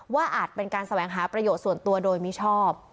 อาจเป็นการแสวงหาประโยชน์ส่วนตัวโดยมิชอบ